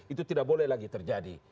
itu tidak boleh lagi terjadi